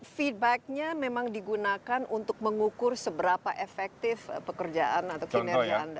feedbacknya memang digunakan untuk mengukur seberapa efektif pekerjaan atau kinerja anda